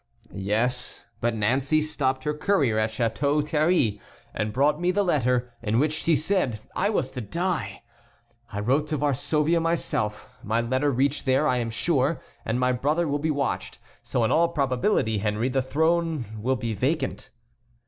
"Yes, but Nancey stopped the courier at Château Thierry, and brought me the letter, in which she said I was to die. I wrote to Varsovia myself, my letter reached there, I am sure, and my brother will be watched. So, in all probability, Henry, the throne will be vacant."